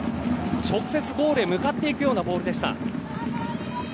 直接ゴールへ向かっていくようなボールでした。